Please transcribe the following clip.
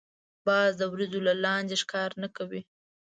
باز د وریځو له لاندی ښکار نه کوي